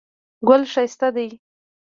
ګل ښایسته دی